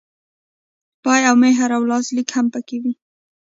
پای او مهر او لاسلیک هم پکې وي.